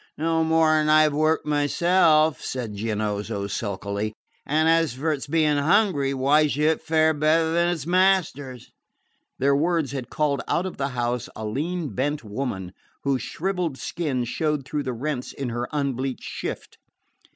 "No more than I have worked myself," said Giannozzo sulkily; "and as for its being hungry, why should it fare better than its masters?" Their words had called out of the house a lean bent woman, whose shrivelled skin showed through the rents in her unbleached shift.